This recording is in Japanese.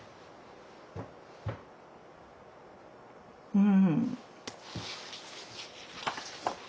うん。